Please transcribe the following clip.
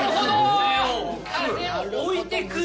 風を置いてくる。